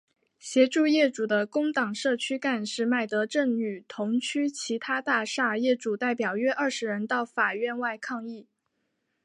协助业主的工党社区干事麦德正与同区其他大厦业主代表约二十人到法院外抗议。